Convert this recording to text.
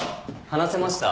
話せました？